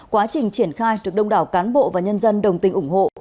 quá trình triển khai được đông đảo cán bộ và nhân dân đồng tình ủng hộ